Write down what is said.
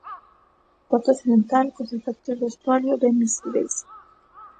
Porta occidental, cos efectos do espolio ben visíbeis.